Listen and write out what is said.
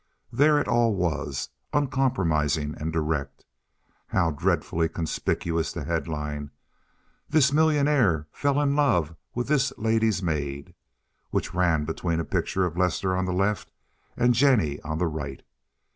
There it all was—uncompromising and direct. How dreadfully conspicuous the headline—"This Millionaire Fell in Love With This Lady's Maid," which ran between a picture of Lester on the left and Jennie on the right.